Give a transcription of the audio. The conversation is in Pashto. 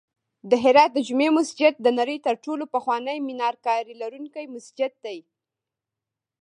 د هرات د جمعې مسجد د نړۍ تر ټولو پخوانی میناکاري لرونکی مسجد دی